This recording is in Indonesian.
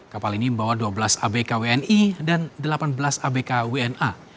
kapal ini membawa dua belas abk wni dan delapan belas abk wna